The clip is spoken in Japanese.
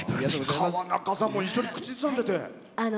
川中さんも一緒に口ずさんでて。